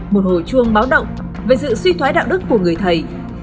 một hồi chuông báo động về sự suy thoái đạo đức của người thầy